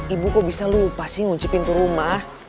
ibu kok bisa lupa sih ngunci pintu rumah